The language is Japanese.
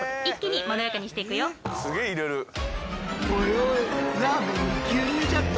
おいおいラーメンに牛乳じゃと！？